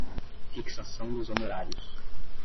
fixação dos honorários